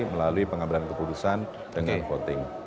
melalui pengambilan keputusan dengan voting